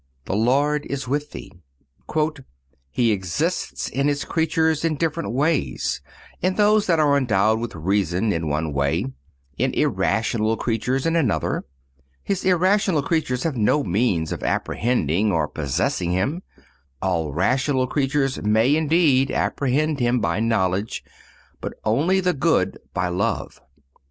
_"__The Lord is with thee.__"_ "He exists in His creatures in different ways; in those that are endowed with reason in one way, in irrational creatures in another. His irrational creatures have no means of apprehending or possessing Him. All rational creatures may indeed apprehend Him by knowledge, but only the good by love.